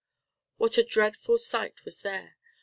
What a dreadful sight was there!